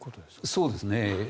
そうですね。